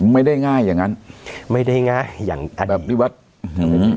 ไม่ได้ง่ายอย่างนั้นไม่ได้ง่ายอย่างอดีตแบบนี้ว่ะอื้อ